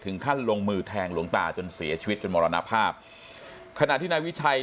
ขั้นลงมือแทงหลวงตาจนเสียชีวิตจนมรณภาพขณะที่นายวิชัย